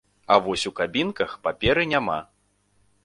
А вось у кабінках паперы няма!